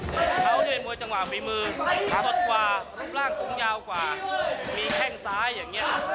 เขาจะเป็นหมวยจังหวะมีมืออดกว่ามุมร่างกรุงยากว่ามีแค่งซ้ายอย่างนี้